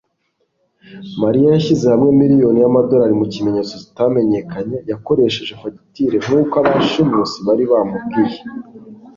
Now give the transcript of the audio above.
mariya yashyize hamwe miliyoni y'amadolari mu kimenyetso kitamenyekanye yakoresheje fagitire nk'uko abashimusi bari bamubwiye